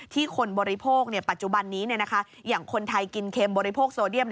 คนบริโภคปัจจุบันนี้อย่างคนไทยกินเค็มบริโภคโซเดียม